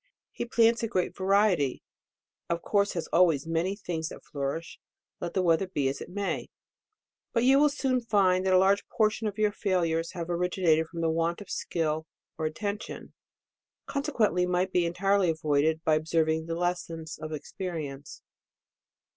He plants a great variety, of course has always many things that flourish, let the wea ther be as it may. But you will soon find that a large propor tion of your failures have originated from the 112 198. t>LCEMBER« want of skill or attention, consequently might be entirely avoided by observing the lessons of experience.